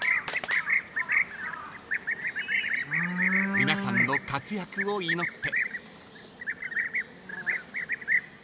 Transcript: ［皆さんの活躍を祈って］